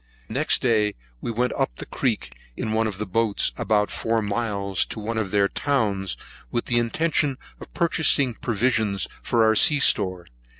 Next day we went up the creek, in one of the boats, about four miles, to one of their towns, with an intention of purchasing provisions for our sea store.